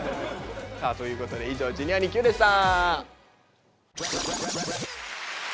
さあということで以上「Ｊｒ．にＱ」でした。